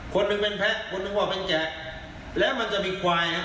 คนหนึ่งเป็นแพ้คนหนึ่งว่าเป็นแกะแล้วมันจะมีควายครับ